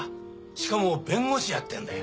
しかも弁護士やってんだよ。